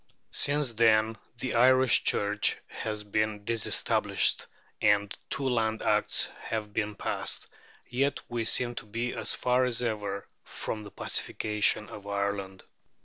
Since then the Irish Church has been disestablished, and two Land Acts have been passed; yet we seem to be as far as ever from the pacification of Ireland.